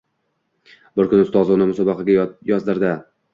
Bir kuni ustozi uni musobaqaga yozdirdi